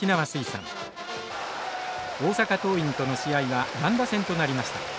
大阪桐蔭との試合は乱打戦となりました。